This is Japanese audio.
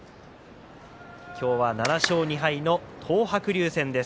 今日は７勝２敗の東白龍戦です。